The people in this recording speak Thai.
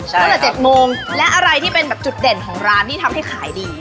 ตั้งแต่๗โมงและอะไรที่เป็นแบบจุดเด่นของร้านที่ทำให้ขายดี